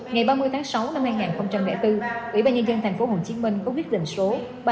ngày ba mươi tháng sáu năm hai nghìn bốn ủy ban nhân dân tp hcm có quyết định số ba nghìn một trăm chín mươi năm